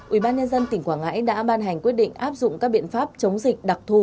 ubnd tỉnh quảng ngãi đã ban hành quyết định áp dụng các biện pháp chống dịch đặc thù